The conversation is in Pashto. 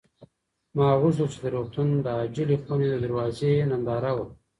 ما غوښتل چې د روغتون د عاجلې خونې د دروازې ننداره وکړم.